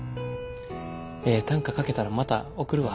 ええ短歌書けたらまた送るわ。